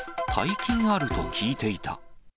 大金あると聞いていた。